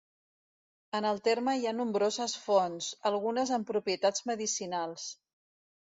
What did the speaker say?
En el terme hi ha nombroses fonts, algunes amb propietats medicinals.